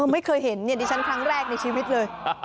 ไม่เคยเห็นดิฉันครั้งแรกในชีวิตเลย